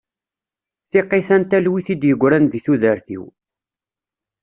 Tiqqit-a n talwit i d-yegran deg tudert-iw.